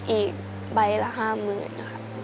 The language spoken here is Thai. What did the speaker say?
อีกใบละ๕หมื่นครับ